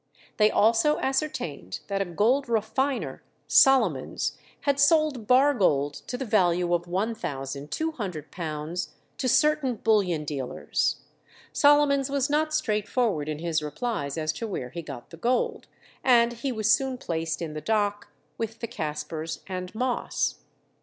They also ascertained that a gold refiner, Solomons, had sold bar gold to the value of £1200 to certain bullion dealers. Solomons was not straightforward in his replies as to where he got the gold, and he was soon placed in the dock with the Caspars and Moss.